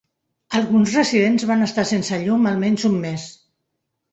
Alguns residents van estar sense llum almenys un mes.